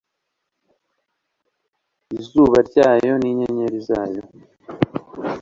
Izuba ryayo ninyenyeri zayo